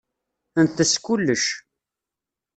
Ntess kullec.